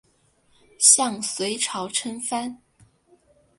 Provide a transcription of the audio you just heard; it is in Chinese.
向隋朝称藩。